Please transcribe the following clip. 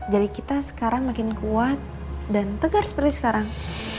jadi kita sekarang makin kuat dan tegar seperti sekarang